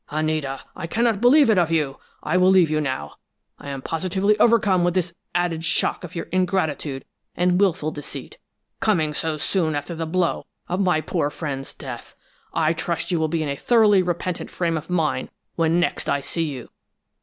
Anita, I cannot believe it of you! I will leave you, now. I am positively overcome with this added shock of your ingratitude and willful deceit, coming so soon after the blow of my poor friend's death. I trust you will be in a thoroughly repentant frame of mind when next I see you.